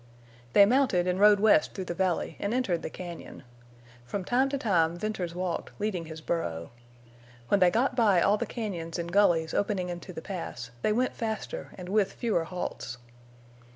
They mounted and rode west through the valley and entered the cañon. From time to time Venters walked, leading his burro. When they got by all the cañons and gullies opening into the Pass they went faster and with fewer halts.